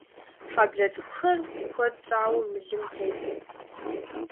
Хьэблэ цӀыкӀухэр куэд щӀауэ мылым тетт.